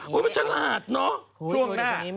มันฉลาดเนอะ